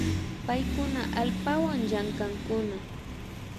Paykuna allpawan llankankuna